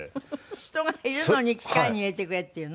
人がいるのに機械に入れてくれって言うの？